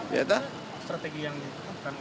strategi yang ditemukan